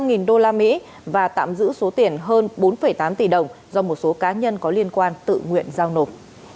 một trăm linh usd và tạm giữ số tiền hơn bốn tám tỷ đồng do một số cá nhân có liên quan tự nguyện giao nộp